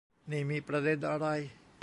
นี่มีประเด็นอะไร